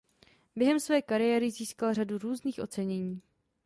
Během své kariéry získal řadu různých ocenění.